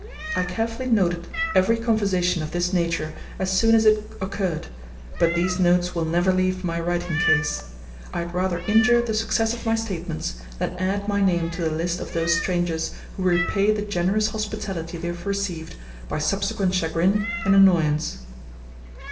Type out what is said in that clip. I carefully noted every conversation of this nature as soon as it occurred, but these notes will never leave my writing case; I had rather injure the success of my statements than add my name to the list of those strangers who repay the generous hospitality they have received by subsequent chagrin and annoyance.